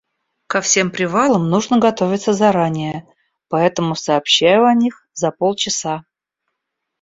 Ко всем привалам нужно готовиться заранее, поэтому сообщаю о них за полчаса.